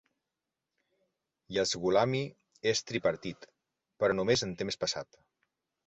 Yazghulami es tripartit, però només en temps passat.